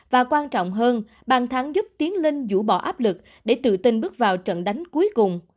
và quan trọng hơn bàn thắng giúp tiếng lên dũ bỏ áp lực để tự tin bước vào trận đánh cuối cùng